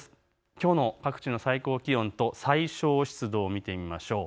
きょうの各地の最高気温と最小湿度を見てみましょう。